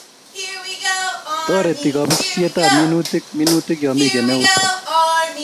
Toreti kobisisisietab minutik minutik yomi kemeut